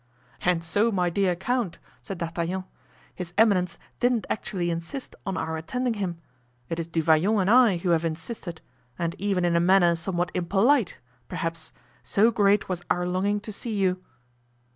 "And so, my dear count," said D'Artagnan, "his eminence didn't actually insist on our attending him; it is Du Vallon and I who have insisted, and even in a manner somewhat impolite, perhaps, so great was our longing to see you."